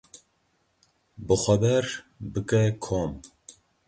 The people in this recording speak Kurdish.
Bixweber bike kom.